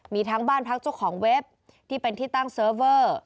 มีทั้งบ้านพักเจ้าของเว็บที่เป็นที่ตั้งเซิร์ฟเวอร์